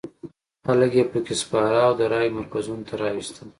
خلک یې په کې سپاره او د رایو مرکزونو ته راوستل.